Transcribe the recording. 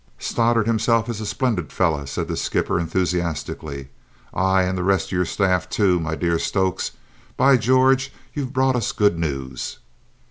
"Stoddart himself is a splendid fellow," said the skipper enthusiastically. "Aye, and the rest of your staff, too, my dear Stokes. By George, you've brought us good news!"